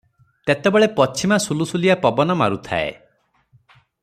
ତେତେବେଳେ ପଛିମା ସୁଲୁସୁଲିଆ ପବନ ମାରୁଥାଏ ।